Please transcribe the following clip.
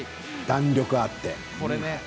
弾力があって。